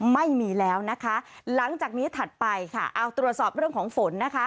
ไม่มีแล้วนะคะหลังจากนี้ถัดไปค่ะเอาตรวจสอบเรื่องของฝนนะคะ